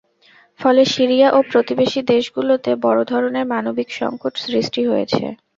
ফলে সিরিয়া ও প্রতিবেশী দেশগুলোতে বড় ধরনের মানবিক সংকট সৃষ্টি হয়েছে।